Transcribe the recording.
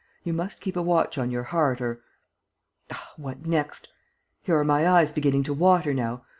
You must keep a watch on your heart or ... Ah, what next? Here are my eyes beginning to water now!